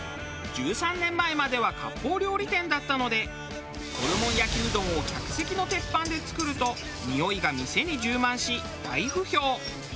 １３年前までは割烹料理店だったのでホルモン焼きうどんを客席の鉄板で作るとにおいが店に充満し大不評。